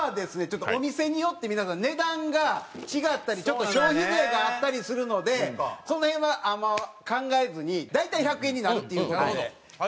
ちょっとお店によって皆さん値段が違ったりちょっと消費税があったりするのでその辺はあんま考えずに大体１００円になるっていう事でやってもらいました。